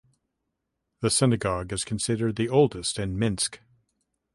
The synagogue is considered the oldest in Minsk.